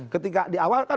ketika di awal kan